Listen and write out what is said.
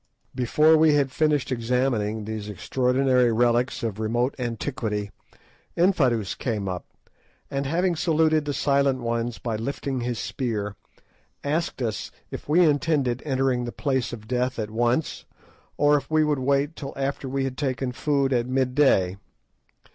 Before we had finished examining these extraordinary relics of remote antiquity, Infadoos came up, and having saluted the "Silent Ones" by lifting his spear, asked us if we intended entering the "Place of Death" at once, or if we would wait till after we had taken food at mid day.